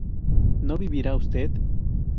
¿no vivirá usted?